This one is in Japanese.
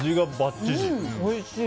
おいしい！